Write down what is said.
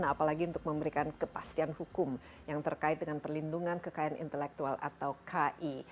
apalagi untuk memberikan kepastian hukum yang terkait dengan perlindungan kekayaan intelektual atau ki